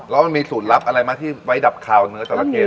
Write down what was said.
แล้วมีสูตรลับอะไรมาที่ไว้ดับคาวเนื้อจอระเข้ได้ไหม